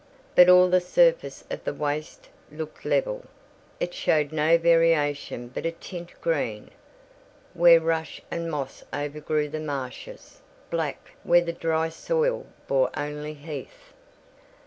But all the surface of the waste looked level. It showed no variation but of tint: green, where rush and moss overgrew the marshes; black, where the dry soil bore only heath.